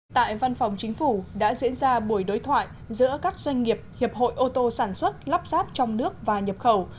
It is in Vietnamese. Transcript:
tại văn phòng chính phủ đã diễn ra buổi đối thoại giữa các doanh nghiệp hiệp hội ô tô sản xuất lắp ráp trong nước và nhập khẩu